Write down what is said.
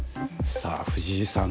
さあ藤井さん